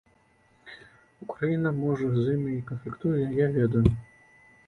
Украіна, можа, з імі і канфліктуе, я ведаю.